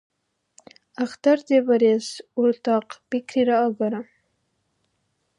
Ахтардибарес, уртахъ, пикрира агара.